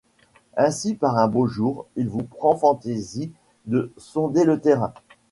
Ainsi par un beau jour il vous prend fantaisie de sonder le terrain.